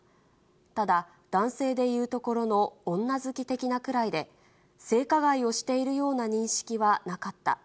ただ、男性でいうところの女好き的なくらいで、性加害をしているような認識はなかった。